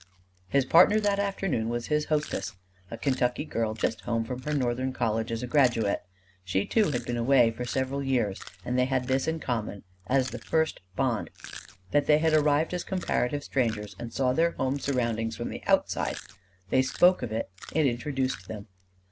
His partner that afternoon was his hostess a Kentucky girl just home from her Northern college as a graduate. She too had been away for several years; and they had this in common as the first bond that they had arrived as comparative strangers and saw their home surroundings from the outside: they spoke of it: it introduced them.